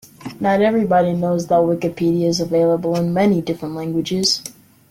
Not everybody knows that Wikipedia is available in many different languages